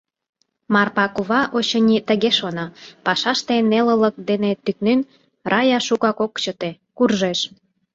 Марпа кува, очыни, тыге шона: пашаште нелылык дене тӱкнен, Рая шукак ок чыте, куржеш.